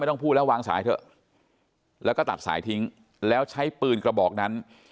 ต้องพูดแล้ววางสายเถอะแล้วก็ตัดสายทิ้งแล้วใช้ปืนกระบอกนั้น